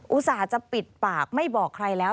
ส่าห์จะปิดปากไม่บอกใครแล้ว